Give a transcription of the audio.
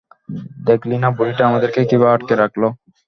দেখলিনা বুড়িটা আমাদেরকে কীভাবে আটকে রাখলো।